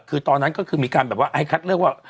คือตอนนั้นก็คือมีการแบบว่าให้คัดเลือกว่า